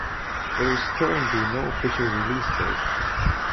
There is currently no official release date.